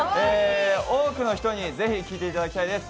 多くの人にぜひ聴いていただきたいです。